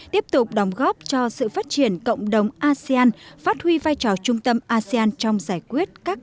tiếp tục đóng góp cho sự phát triển cộng đồng asean phát huy vai trò trung tâm asean trong giải quyết các